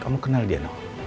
kamu kenal dia noh